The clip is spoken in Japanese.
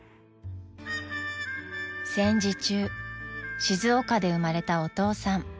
［戦時中静岡で生まれたお父さん］